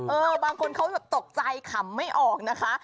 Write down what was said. เออบางคนเขาตกใจขำไม่ออกนะคะ